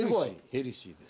ヘルシーです。